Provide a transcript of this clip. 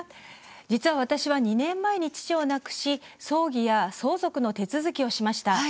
実は私は２年前に父を亡くし葬儀や相続の手続きをしました。